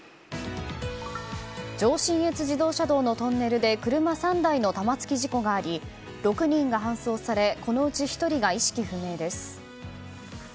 上信越自動車道のトンネルで車３台の玉突き事故があり６人が搬送されこのうち１人が意識不明です。